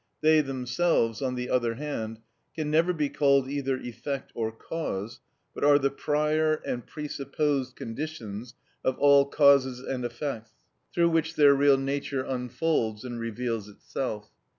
They themselves, on the other hand, can never be called either effect or cause, but are the prior and presupposed conditions of all causes and effects through which their real nature unfolds and reveals itself.